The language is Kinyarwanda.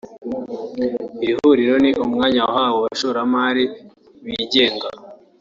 Iri huriro ni umwanya wahawe abashoramari bigenga